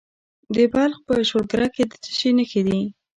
د بلخ په شولګره کې د څه شي نښې دي؟